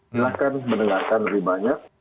silahkan mendengarkan lebih banyak